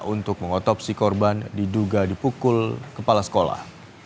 untuk mengotopsi korban diduga dipukul kepala sekolah